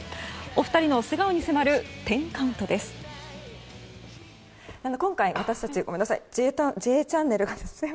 お二人の素顔に迫る１０カウントです。